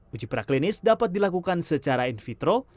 uji praklinis dapat dilakukan secara in vitro